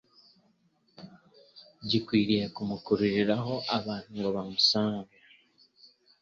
gikwiriye kumukururiraho abantu ngo bamusange.